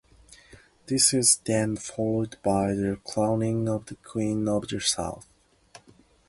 This is then followed by the crowning of the Queen of the South.